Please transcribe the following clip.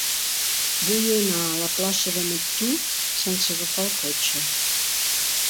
Vull anar a la plaça de Neptú sense agafar el cotxe.